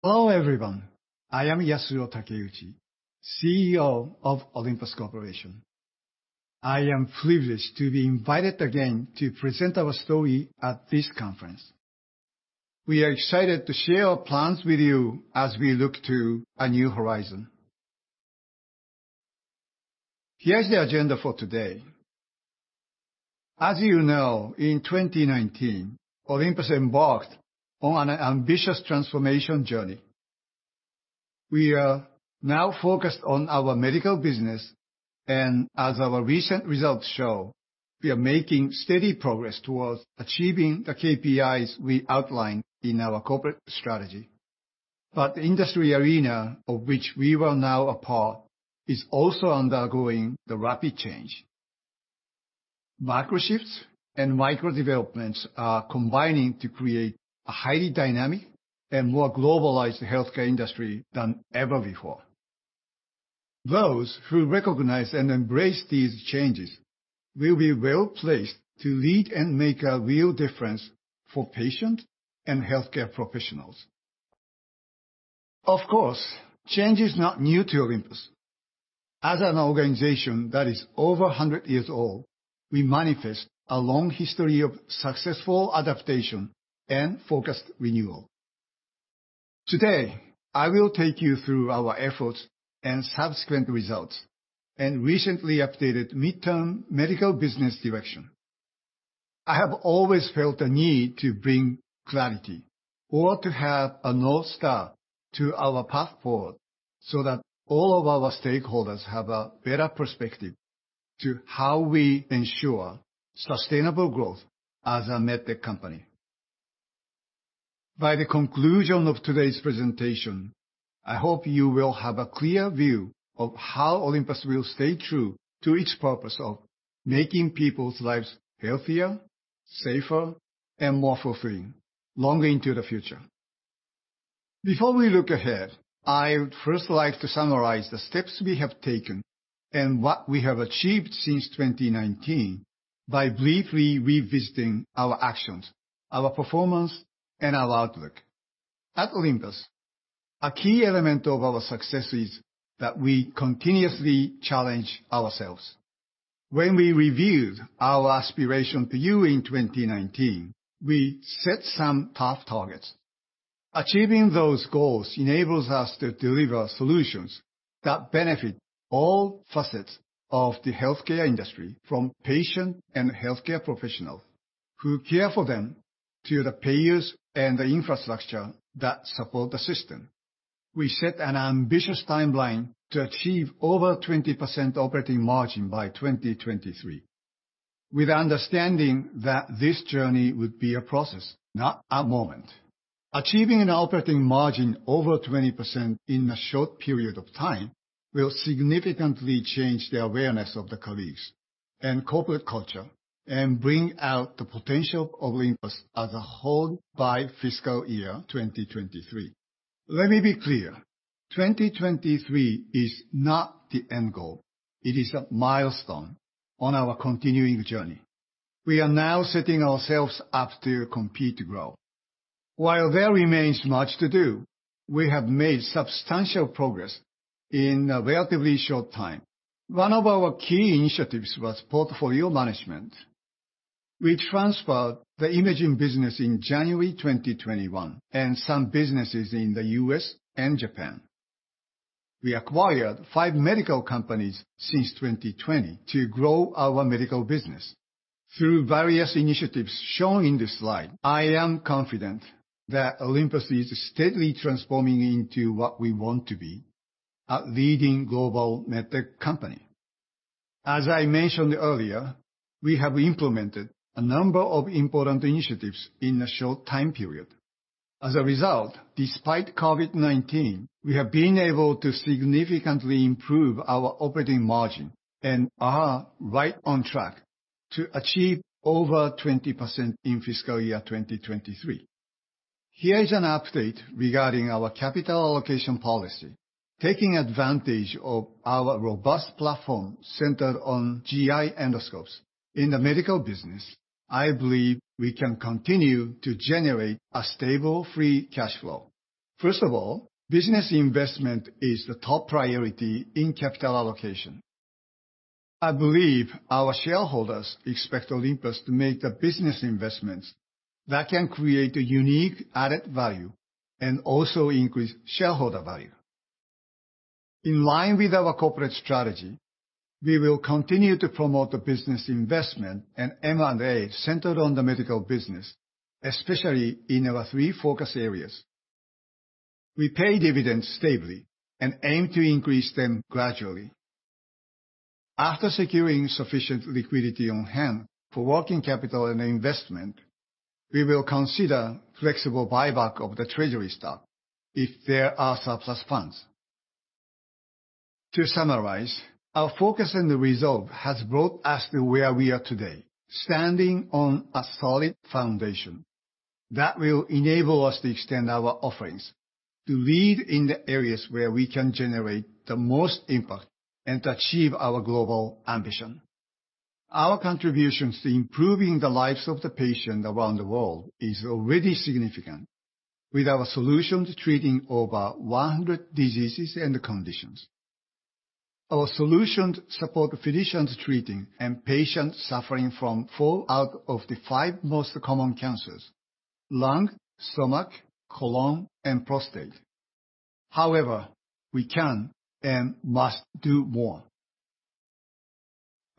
Hello, everyone. I am Yasuo Takeuchi, CEO of Olympus Corporation. I am privileged to be invited again to present our story at this conference. We are excited to share our plans with you as we look to a new horizon. Here is the agenda for today. As you know, in 2019, Olympus embarked on an ambitious transformation journey. We are now focused on our medical business, and as our recent results show, we are making steady progress towards achieving the KPIs we outlined in our corporate strategy. The industry arena of which we are now a part is also undergoing the rapid change. Macro shifts and micro developments are combining to create a highly dynamic and more globalized healthcare industry than ever before. Those who recognize and embrace these changes will be well-placed to lead and make a real difference for patients and healthcare professionals. Of course, change is not new to Olympus. As an organization that is over 100 years old, we manifest a long history of successful adaptation and focused renewal. Today, I will take you through our efforts and subsequent results, and recently updated midterm medical business direction. I have always felt a need to bring clarity or to have a north star to our passport so that all of our stakeholders have a better perspective to how we ensure sustainable growth as a medtech company. By the conclusion of today's presentation, I hope you will have a clear view of how Olympus will stay true to its purpose of making people's lives healthier, safer, and more fulfilling longer into the future. Before we look ahead, I would first like to summarize the steps we have taken and what we have achieved since 2019 by briefly revisiting our actions, our performance, and our outlook. At Olympus, a key element of our success is that we continuously challenge ourselves. When we reviewed our aspiration to you in 2019, we set some tough targets. Achieving those goals enables us to deliver solutions that benefit all facets of the healthcare industry, from patient and healthcare professionals who care for them, to the payers and the infrastructure that support the system. We set an ambitious timeline to achieve over 20% operating margin by 2023, with understanding that this journey would be a process, not a moment. Achieving an operating margin over 20% in a short period of time will significantly change the awareness of the colleagues and corporate culture and bring out the potential of Olympus as a whole by fiscal year 2023. Let me be clear. 2023 is not the end goal. It is a milestone on our continuing journey. We are now setting ourselves up to compete, to grow. While there remains much to do, we have made substantial progress in a relatively short time. One of our key initiatives was portfolio management. We transferred the imaging business in January 2021 and some businesses in the U.S. and Japan. We acquired five medical companies since 2020 to grow our medical business. Through various initiatives shown in this slide, I am confident that Olympus is steadily transforming into what we want to be, a leading global medtech company. As I mentioned earlier, we have implemented a number of important initiatives in a short time period. As a result, despite COVID-19, we have been able to significantly improve our operating margin and are right on track to achieve over 20% in FY 2023. Here is an update regarding our capital allocation policy. Taking advantage of our robust platform centered on GI endoscopes in the medical business, I believe we can continue to generate a stable free cash flow. First of all, business investment is the top priority in capital allocation. I believe our shareholders expect Olympus to make the business investments that can create a unique added value and also increase shareholder value. In line with our corporate strategy, we will continue to promote the business investment and M&A centered on the medical business, especially in our three focus areas. We pay dividends stably and aim to increase them gradually. After securing sufficient liquidity on hand for working capital and investment, we will consider flexible buyback of the treasury stock if there are surplus funds. To summarize, our focus and resolve has brought us to where we are today, standing on a solid foundation that will enable us to extend our offerings to lead in the areas where we can generate the most impact and to achieve our global ambition. Our contributions to improving the lives of the patient around the world is already significant, with our solutions treating over 100 diseases and conditions. Our solutions support physicians treating and patients suffering from four out of the five most common cancers, lung, stomach, colon, and prostate. We can and must do more.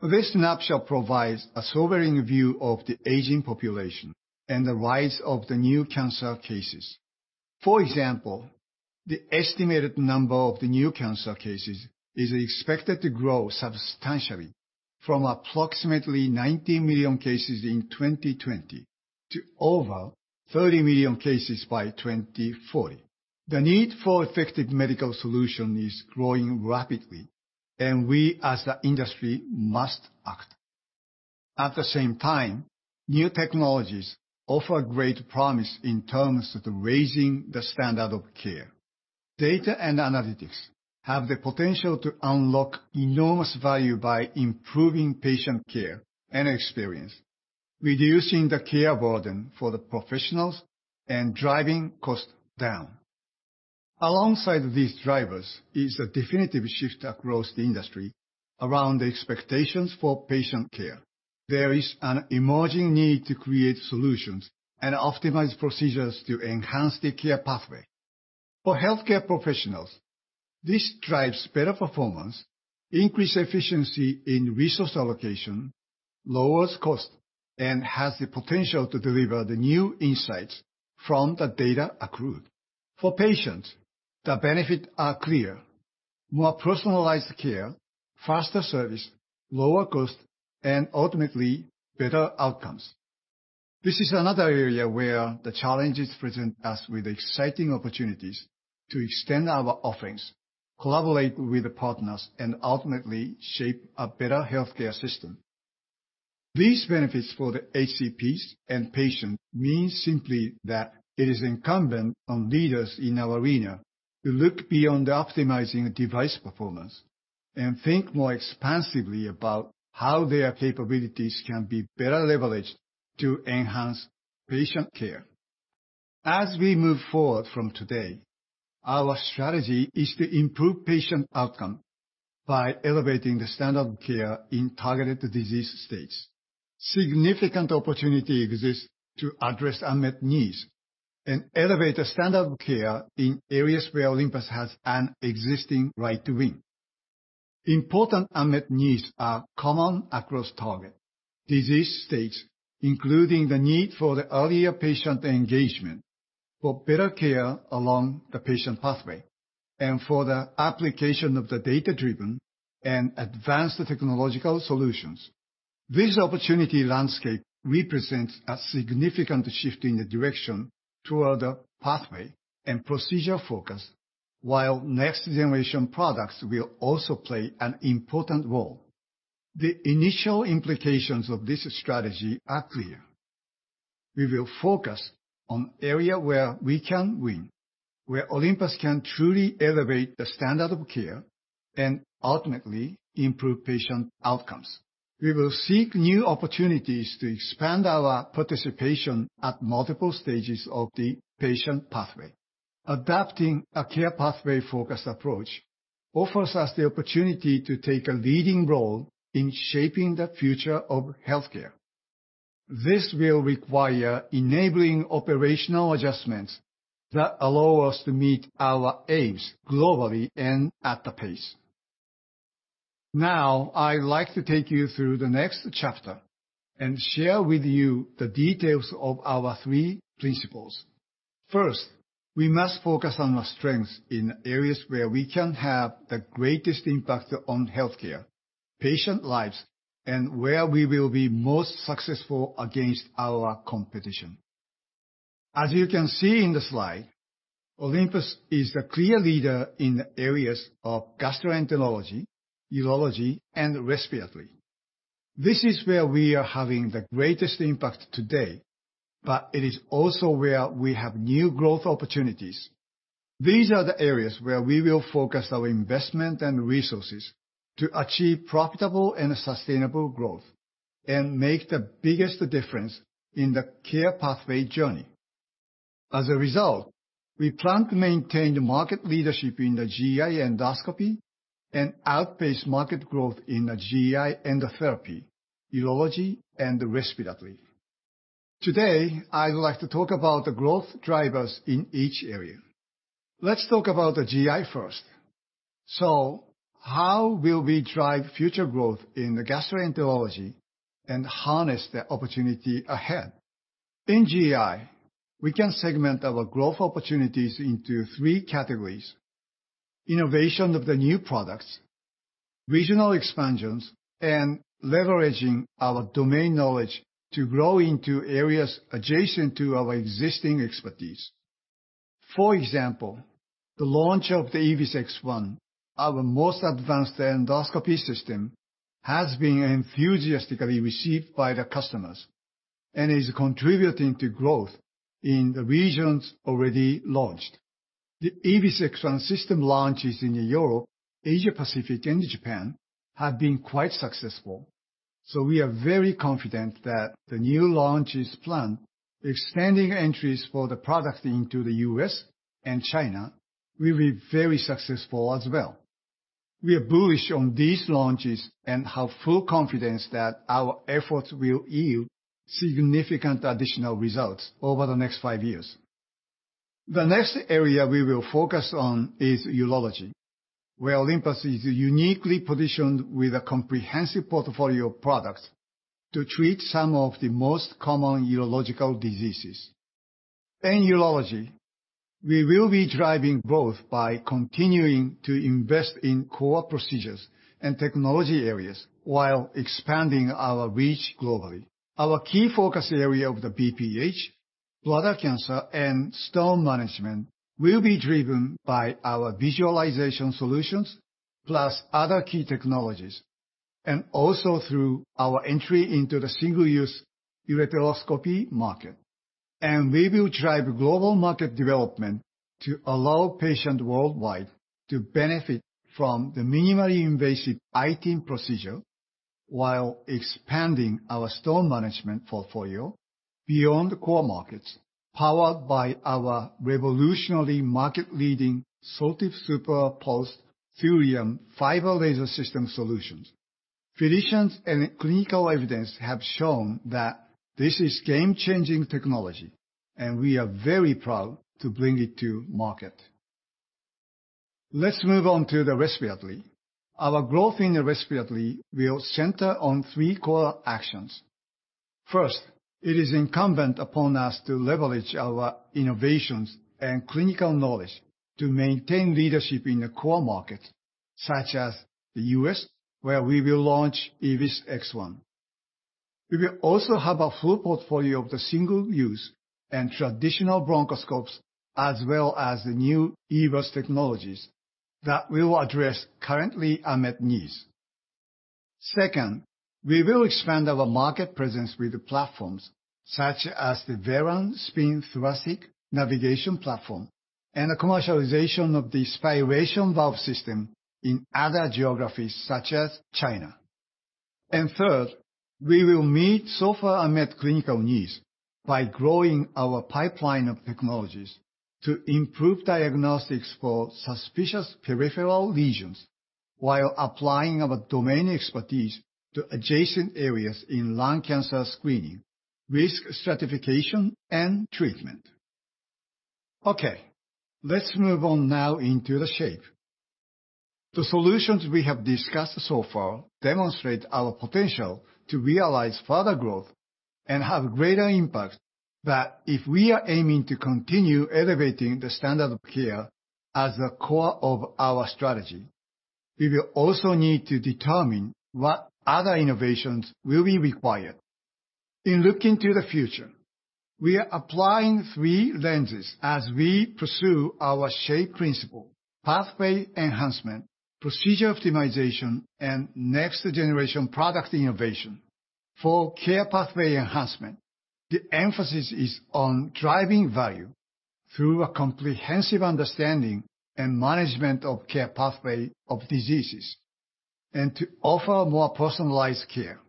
This snapshot provides a sobering view of the aging population and the rise of the new cancer cases. For example, the estimated number of the new cancer cases is expected to grow substantially from approximately 19 million cases in 2020 to over 30 million cases by 2040. The need for effective medical solution is growing rapidly, and we, as the industry, must act. At the same time, new technologies offer great promise in terms of raising the standard of care. Data and analytics have the potential to unlock enormous value by improving patient care and experience, reducing the care burden for the professionals, and driving cost down. Alongside these drivers is a definitive shift across the industry around the expectations for patient care. There is an emerging need to create solutions and optimize procedures to enhance the care pathway. For healthcare professionals, this drives better performance, increase efficiency in resource allocation, lowers cost, and has the potential to deliver the new insights from the data accrued. For patients, the benefit are clear. More personalized care, faster service, lower cost, and ultimately, better outcomes. This is another area where the challenges present us with exciting opportunities to extend our offerings, collaborate with the partners, and ultimately shape a better healthcare system. These benefits for the HCPs and patient mean simply that it is incumbent on leaders in our arena to look beyond optimizing device performance and think more expansively about how their capabilities can be better leveraged to enhance patient care. As we move forward from today, our strategy is to improve patient outcome by elevating the standard of care in targeted disease states. Significant opportunity exists to address unmet needs and elevate the standard of care in areas where Olympus has an existing right to win. Important unmet needs are common across target disease states, including the need for the earlier patient engagement, for better care along the patient pathway, and for the application of the data-driven and advanced technological solutions. This opportunity landscape represents a significant shift in the direction toward a pathway and procedure focus, while next generation products will also play an important role. The initial implications of this strategy are clear. We will focus on area where we can win, where Olympus can truly elevate the standard of care, and ultimately improve patient outcomes. We will seek new opportunities to expand our participation at multiple stages of the patient pathway. Adopting a care pathway-focused approach offers us the opportunity to take a leading role in shaping the future of healthcare. This will require enabling operational adjustments that allow us to meet our aims globally and at the pace. I'd like to take you through the next chapter and share with you the details of our three principles. First, we must focus on our strengths in areas where we can have the greatest impact on healthcare, patient lives, and where we will be most successful against our competition. As you can see in the slide, Olympus is the clear leader in the areas of gastroenterology, urology, and respiratory. This is where we are having the greatest impact today, but it is also where we have new growth opportunities. These are the areas where we will focus our investment and resources to achieve profitable and sustainable growth and make the biggest difference in the care pathway journey. As a result, we plan to maintain market leadership in the GI endoscopy and outpace market growth in the GI endotherapy, urology, and respiratory. Today, I would like to talk about the growth drivers in each area. Let's talk about the GI first. How will we drive future growth in the gastroenterology and harness the opportunity ahead? In GI, we can segment our growth opportunities into three categories. Innovation of the new products, regional expansions, and leveraging our domain knowledge to grow into areas adjacent to our existing expertise. For example, the launch of the EVIS X1, our most advanced endoscopy system, has been enthusiastically received by the customers and is contributing to growth in the regions already launched. The EVIS X1 system launches in Europe, Asia Pacific, and Japan have been quite successful. We are very confident that the new launches planned, extending entries for the product into the U.S. and China, will be very successful as well. We are bullish on these launches and have full confidence that our efforts will yield significant additional results over the next five years. The next area we will focus on is urology, where Olympus is uniquely positioned with a comprehensive portfolio of products to treat some of the most common urological diseases. In urology, we will be driving growth by continuing to invest in core procedures and technology areas while expanding our reach globally. Our key focus area of the BPH, bladder cancer, and stone management will be driven by our visualization solutions, plus other key technologies, and also through our entry into the single-use ureteroscopy market. We will drive global market development to allow patients worldwide to benefit from the minimally invasive IT procedure while expanding our stone management portfolio beyond the core markets, powered by our revolutionary market-leading Soltive SuperPulsed thulium fiber laser system solutions. Physicians and clinical evidence have shown that this is game-changing technology, and we are very proud to bring it to market. Let's move on to respiratory. Our growth in respiratory will center on three core actions. First, it is incumbent upon us to leverage our innovations and clinical knowledge to maintain leadership in the core market, such as the U.S., where we will launch EVIS X1. We will also have a full portfolio of the single-use and traditional bronchoscope, as well as the new EVIS technologies that will address currently unmet needs. Second, we will expand our market presence with platforms such as the Veran SPiN thoracic navigation platform and the commercialization of the Spiration Valve System in other geographies such as China. Third, we will meet so-far unmet clinical needs by growing our pipeline of technologies to improve diagnostics for suspicious peripheral lesions while applying our domain expertise to adjacent areas in lung cancer screening, risk stratification, and treatment. Let's move on now into the SHAPE. The solutions we have discussed so far demonstrate our potential to realize further growth and have greater impact. If we are aiming to continue elevating the standard of care as the core of our strategy, we will also need to determine what other innovations will be required. In looking to the future, we are applying three lenses as we pursue our SHAPE principle: pathway enhancement, procedure optimization, and next-generation product innovation. For care pathway enhancement, the emphasis is on driving value through a comprehensive understanding and management of care pathway of diseases, and to offer more personalized care.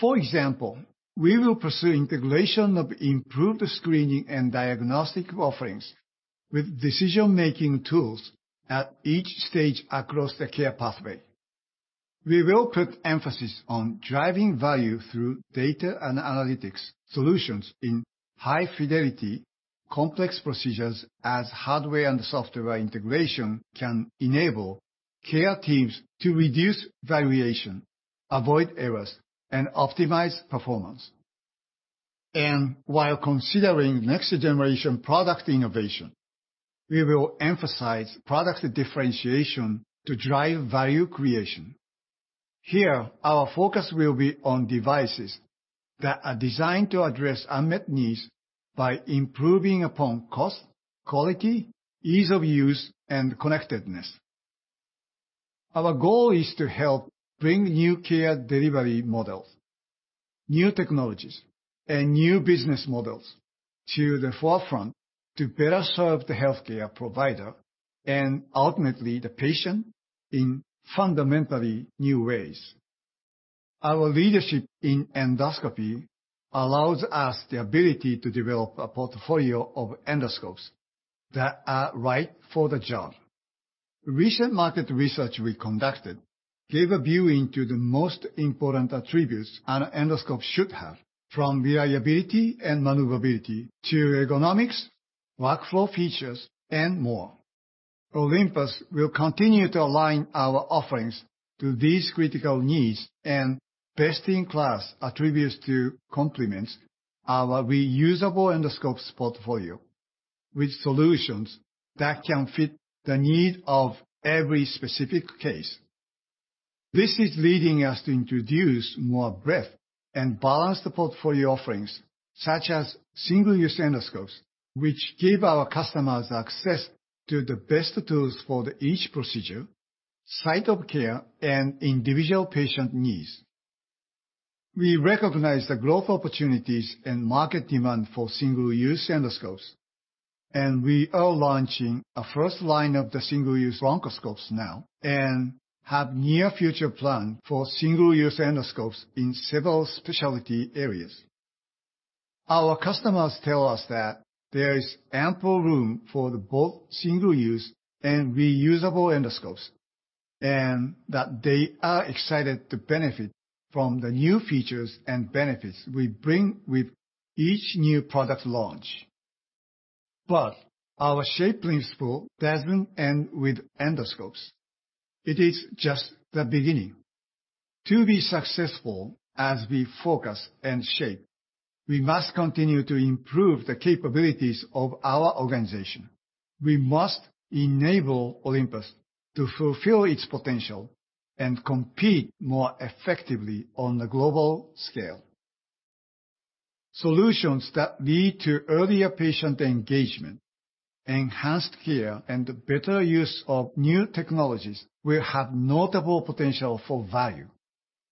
For example, we will pursue integration of improved screening and diagnostic offerings with decision-making tools at each stage across the care pathway. We will put emphasis on driving value through data and analytics solutions in high-fidelity, complex procedures as hardware and software integration can enable care teams to reduce variation, avoid errors, and optimize performance. While considering next-generation product innovation, we will emphasize product differentiation to drive value creation. Here, our focus will be on devices that are designed to address unmet needs by improving upon cost, quality, ease of use, and connectedness. Our goal is to help bring new care delivery models, new technologies, and new business models to the forefront to better serve the healthcare provider and ultimately the patient in fundamentally new ways. Our leadership in endoscopy allows us the ability to develop a portfolio of endoscopes that are right for the job. Recent market research we conducted gave a view into the most important attributes an endoscope should have, from reliability and maneuverability to ergonomics, workflow features, and more. Olympus will continue to align our offerings to these critical needs, and best-in-class attributes to complement our reusable endoscopes portfolio with solutions that can fit the need of every specific case. This is leading us to introduce more breadth and balanced portfolio offerings, such as single-use endoscopes, which give our customers access to the best tools for each procedure site of care and individual patient needs. We recognize the growth opportunities and market demand for single-use endoscopes, and we are launching a first line of the single-use bronchoscope now and have near future plan for single-use endoscopes in several specialty areas. Our customers tell us that there is ample room for the both single-use and reusable endoscopes, and that they are excited to benefit from the new features and benefits we bring with each new product launch. Our SHAPE principle doesn't end with endoscopes. It is just the beginning. To be successful as we FOCUS and SHAPE, we must continue to improve the capabilities of our organization. We must ENABLE Olympus to fulfill its potential and compete more effectively on the global scale. Solutions that lead to earlier patient engagement, enhanced care, and better use of new technologies will have notable potential for value.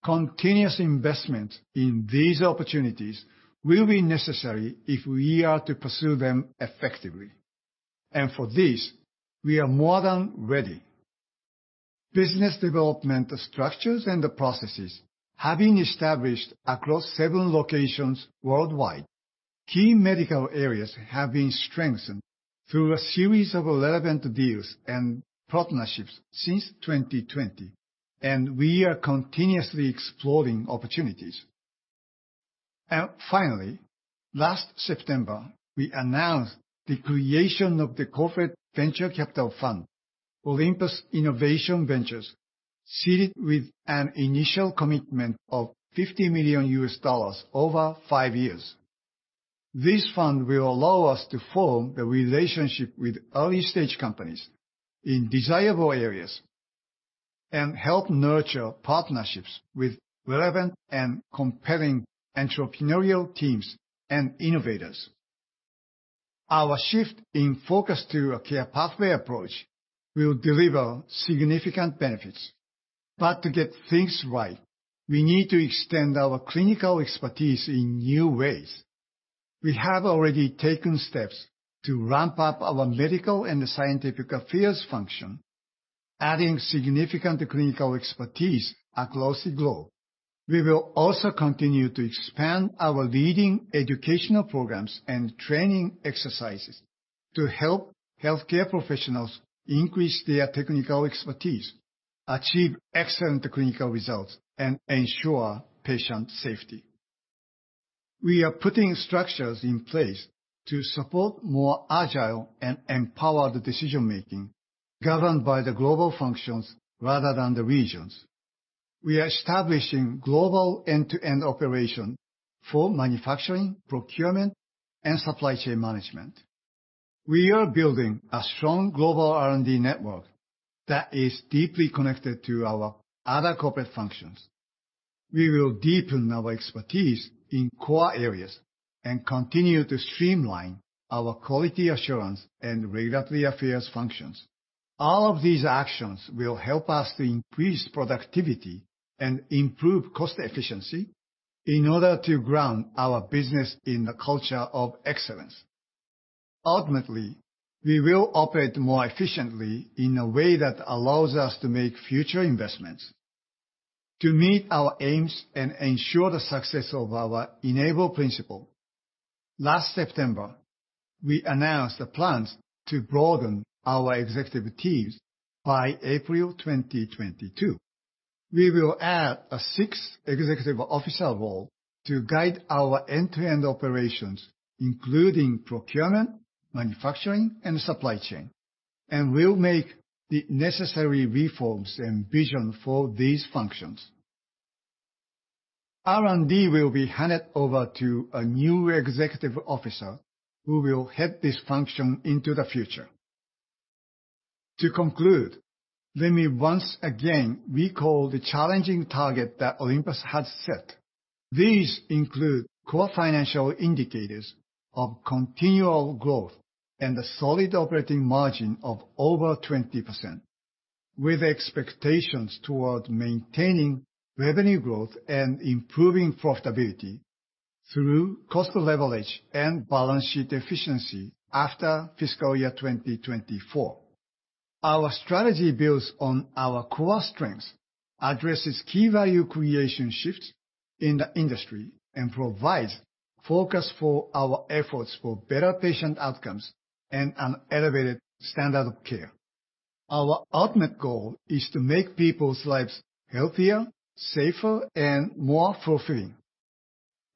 Continuous investment in these opportunities will be necessary if we are to pursue them effectively. For this, we are more than ready. Business development structures and the processes have been established across seven locations worldwide. Key medical areas have been strengthened through a series of relevant deals and partnerships since 2020, and we are continuously exploring opportunities. Finally, last September, we announced the creation of the corporate venture capital fund, Olympus Innovation Ventures, seeded with an initial commitment of $50 million over five years. This fund will allow us to form the relationship with early-stage companies in desirable areas and help nurture partnerships with relevant and compelling entrepreneurial teams and innovators. Our shift in FOCUS to a care pathway approach will deliver significant benefits. To get things right, we need to extend our clinical expertise in new ways. We have already taken steps to ramp up our medical and scientific affairs function, adding significant clinical expertise across the globe. We will also continue to expand our leading educational programs and training exercises to help healthcare professionals increase their technical expertise, achieve excellent clinical results, and ensure patient safety. We are putting structures in place to support more agile and empowered decision-making, governed by the global functions rather than the regions. We are establishing global end-to-end operation for manufacturing, procurement, and supply chain management. We are building a strong global R&D network that is deeply connected to our other corporate functions. We will deepen our expertise in core areas and continue to streamline our quality assurance and regulatory affairs functions. All of these actions will help us to increase productivity and improve cost efficiency in order to ground our business in the culture of excellence. Ultimately, we will operate more efficiently in a way that allows us to make future investments. To meet our aims and ensure the success of the ENABLE principle, last September, we announced the plans to broaden our executive teams by April 2022. We will add a sixth executive officer role to guide our end-to-end operations, including procurement, manufacturing, and supply chain, and will make the necessary reforms and vision for these functions. R&D will be handed over to a new executive officer who will head this function into the future. To conclude, let me once again recall the challenging target that Olympus has set. These include core financial indicators of continual growth and a solid operating margin of over 20%, with expectations toward maintaining revenue growth and improving profitability through cost leverage and balance sheet efficiency after fiscal year 2024. Our strategy builds on our core strengths, addresses key value creation shifts in the industry, and provides focus for our efforts for better patient outcomes and an elevated standard of care. Our ultimate goal is to make people's lives healthier, safer, and more fulfilling.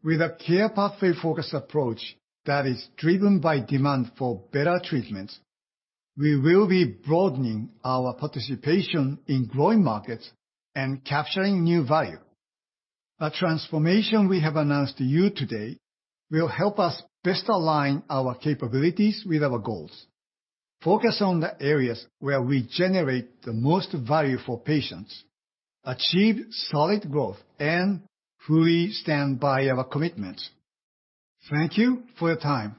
With a care pathway-focused approach that is driven by demand for better treatments, we will be broadening our participation in growing markets and capturing new value. The transformation we have announced to you today will help us best align our capabilities with our goals, focus on the areas where we generate the most value for patients, achieve solid growth, and fully stand by our commitments. Thank you for your time.